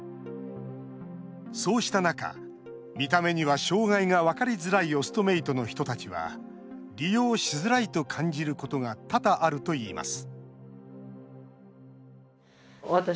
そうした中、見た目には障害が分かりづらいオストメイトの人たちは利用しづらいと感じることが多々あるといいます